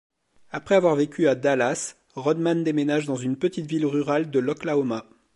Après avoir vécu à Dallas, Rodman déménage dans une petite ville rurale de l'Oklahoma.